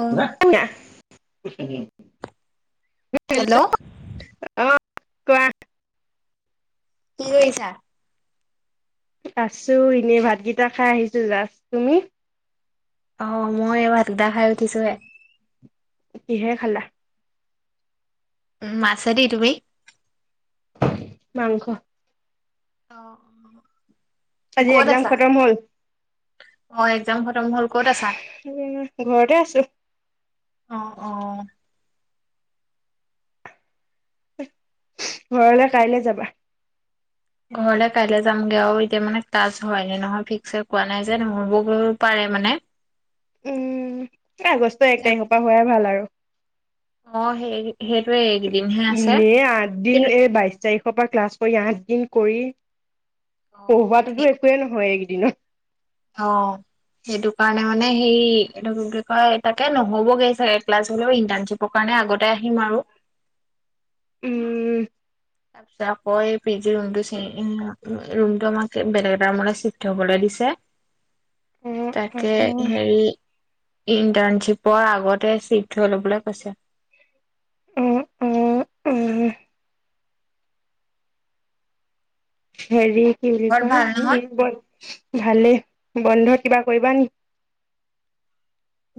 অ ন [unintelligible] কছ ন [unintelligible] হেল্ল অহ, কোৱা? কি কৰিছা? আছো এনে ভাতকেইটা খাই আহিছো জাজ তুমি। অ' মই এই ভত গিতা খাই উঠিছো হে। কিহে খালা? মাছে দি তুমি? মাংস। অ-অ, আজি ক'ত এক্জাম আছা খতম হ'ল অ এক্সাম খতম হল ক'ত আছা? ঘৰতে আছো অ, অ। ঘৰলে কাইলৈ যাবা। ঘৰলে কাইলৈ যামগে আৰু এতিয়া মানে ক্লাজ হয়নে নহয় ফিক্স কোৱা নাই যে নহৰিবগৈ পাৰে মানে। উম আগষ্ট এক তাৰিখৰ পৰা হোৱাই ভাল আৰু। অ হেৰি এনে আঠ দিন কিন্তু এই বাইশ তাৰিখৰ পৰা ক্লাছ কৰি আঠ দিন কৰি। সেই পঢ়োৱাতোতো একোৱয়ে নহয় এই কি ণ অ সেইটো কাৰণে মানে সেই এইটো কি বুলি কয় তাকে নহ'বগৈ চাগে ক্লাছ হ'লেও ইণ্টাৰ্ণশ্বিপৰ কাৰণে আগতে আহিম আৰু। উম। তাৰপিছত আকৌ এই পি জি ৰুমটো ৰুমটো আমাক বেলেগ এটা ৰুমলৈ চিফ্ট হবলৈ দিছে। অ অ তাকে হেৰি ইন্টাৰ্ণশ্বিপৰ আগতে চিপট হৈ ল'বলৈ কৈছে। উম, উম, উম। হেৰি কি বুলি ঘৰত কয় ভাল নহয়? উম ভালেই বন্ধত কিবা কৰিবা নেকি?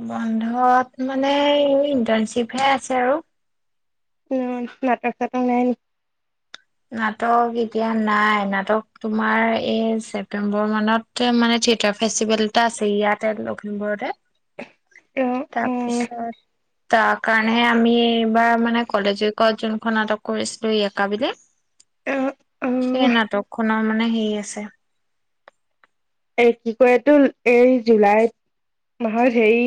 বন্ধত মানে ইণ্টাৰ্ণশ্বিপহে আছে আৰু। উম নাটক চাটৰ নাই? নাটক এতিয়া নাই নাটক। তোমাৰ এই ছেপ্তেম্বৰ মানত মানে থিয়েটাৰ ফেষ্টিভেল এটা আছে ইয়াতে লখিমপুৰতে এ তাৰপিছত তাৰ কাৰণেহে আমি এইবাৰ মানে কলেজৰ কত যোনখন নাটক কৰিছিলো ইয়েকা বুলি। সেই নাটকখননৰ মান মানে সেই আছে। এই কি কৰেতো এই জুলাই মাহত হেৰি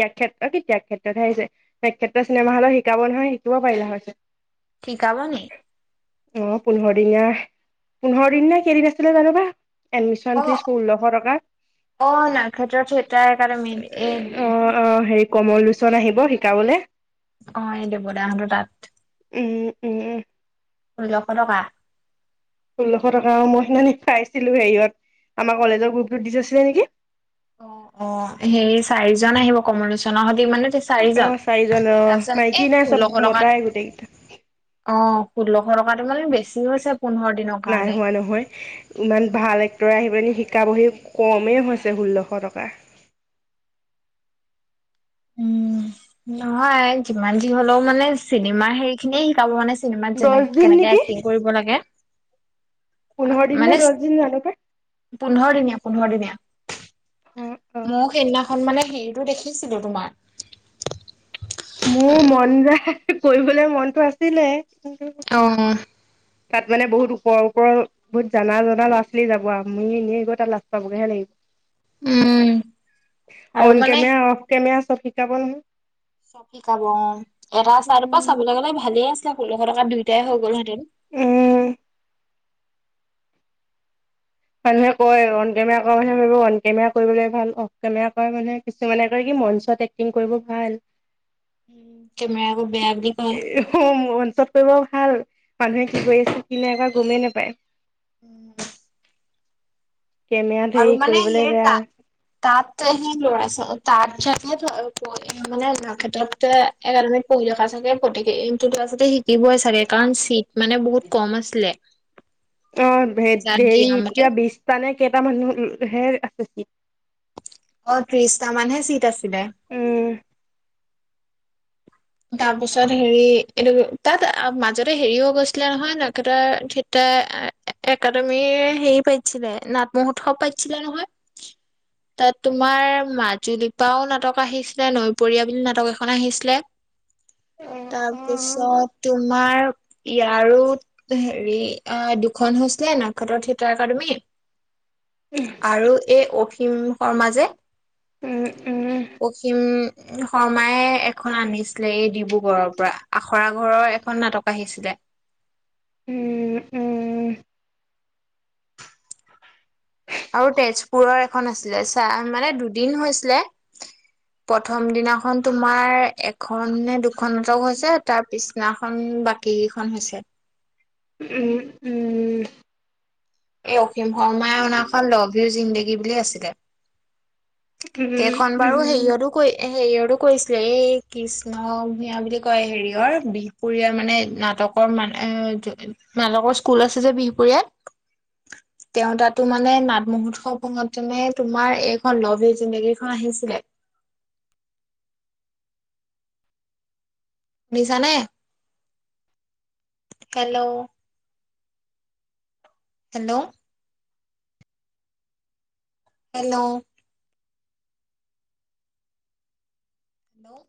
ত্যাগক্ষ্ষেত্ৰ কি ত্যাগক্ষ্ষেত্ৰতহে আহিছে তক্ষেত্ৰ চিনেমা হলৰ শিকাব নহয় শিকিব পাৰিলা হৈছে। খিকাব নেকি? এয়াই পোন্ধৰ দিন নে কেইদিন আছিলে জানোবা? এডমিশন অ ফিচ অ নাৰক্ষেত্ৰতো এটাৰ কাৰণে মেইন অ এ অ হেৰি কমল লোচন আহিব শিকাবলৈ। অ এই দেব দা হতৰ তাত। উম, উম । ষোল্লশ টকা। ষোল্লশ টকা মই স পাইছিলো হেৰিয়ত আমাৰ কলেজৰ গ্ৰুপটোত দি থৈছিলে নেকি? অ, অ সেই চাৰিজন আহিব কমলোচনৰ মানে অ চাৰিজন চাৰিজন আহ তাৰপিছত এই মাইকী নাই চব ষোল্লশ টকাত মতাই গোটেই কেইটা। ঘৰটো মানে বেচি নাই হোৱা নহয় ইমান ভাল এক্টৰে আহি পেলে শ আৰু সেই কমেই হৈছে ষোল্লশ টকা। উম নহয় যিমান যি হলেও মানে চিনেমাৰ হেৰি খিনিয়ে শিকাব মানে চিনেমাত দহ যেনে দিন কেনেকে নেকি এক্টিং কৰিব লাগে পোন্ধৰ দিন নে মানে দহ দিন জানো পাই পোন্ধৰ দিনীয়া পোন্ধৰ দিনীয়া। অ অ মোৰ সেইদিনাখন মানে হেৰিটো দেখিছিলো তোমাৰ মোৰ মন যায় । কৰিবলৈ মনতটো আছিলে। অ তাত মানে বহুত ওপৰৰ ওপৰৰ বহুত জানা জানা লৰা ছোৱালী যাব আৰু মোৰ নে গই তাত লাজ পাবগেহে উম লাগিব। আৰু অন মানে কেমেৰা অফ কেমেৰা চব শিকাব চব শিকাব অ' এটা চাইদৰ পৰা চাবলৈ গ'লে ভালে আছে। তেতিয়া ষোল্লখত দুই তায়ে হৈ গ'ল হয়। উম [unintelligible] মানুহে কয় অন কেমেৰা কৰে মানে ভাবিব অন কেমেৰা কৰিবলৈ ভাল অফ কেমেৰা কয় মানুহে কিছুমানে কয় কি মঞ্চত এক্টিং কৰিব ভাল। উম কেমেৰা আকৌ বেয়া বুলি কয় এ অ মঞ্চত কৰিব ভাল। মানুহে কি কৰি আছে কি নাই একো গমেই নাপায়। উম। কেমেৰাত হেৰি মানে কৰিবলে সেই বেয়া। তাত তাত সি লৰা তাত চাগে [unintelligible] দিবয়ই চাগে কাৰন মানে বহুত কম আছিলে। অ হে তাত হেৰি দিয়া মতে কিবা বিছটা নে কেইটা মানুহ ধেৰ আছে চিত অ ত্ৰিশটা মানহে চিট আছে। [unintelligible] উম তাৰপিছত হেৰি এইটো তাত মাজতে হেৰিও গৈছিলে নহয় নেতা থিয় একাডেমি হেৰি পাইতিছিলে নাট মহোৎসৱ পাইতিছিলে নহয়। তাত তোমাৰ মাজুলীপাও নাটক আহিছিলে নৈপৰীয়া বুলি নাটক এখন আহিছিলে। উম তাৰপিছত তোমাৰ ইয়াৰো হেৰি দুখন হৈছিলে নাগত্ৰ থিয়েটাৰ একাডেমি। আৰু এই অ' । উম শৰ্মা যে' উম উম পশ্চিম। শৰ্মাইে এখন আনিছিলে, এই ডিব্ৰুগড়ৰ পৰা আখৰা ঘৰৰ এখন নাটক আহিছিলে। উম-উম। আৰু তেজপুৰৰ এখন আছিলে। তাত মানে দুদিন হৈছিলে। প্ৰথম দিনাখন তোমাৰ এখন নে দুখন। দুখন নাটক হৈছে তাৰ পিছ পিছদিনাখন বাকী কিখন হৈছে। উম-উম। এই অস অসীম শৰ্মাই অনাখন লাভ ইউ জিন্দেগী । কি বুলি আছিলে । উম কেইখন বাৰু উম হেৰিয়তো কৰি এ' হেৰিয়টো কৈছিলে এই কৃষ্ণ ভূঞা বুলি কয়, হেৰিয়ৰ বিহপুৰীয়াৰ মানে নাটকৰ মানে নাটকৰ স্কুল আছে যে বিহপুৰীয়াত। তেওঁ তাতো মানে নাট মহোৎসৱ খনত তেনে তোমাৰ এইখন লাভ ইউ জিন্দেগী খন আহিছিলে । দিছানে হেল্ল' । হেল্ল'। হেল্ল'। হেল্ল'।